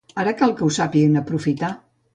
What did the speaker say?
Ara cal que ho sàpiguen aprofitar.